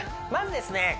まずですね